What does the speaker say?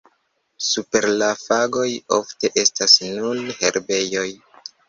Super la fagoj ofte estas nur herbejoj.